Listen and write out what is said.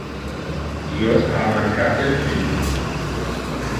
Io ha mancate le film.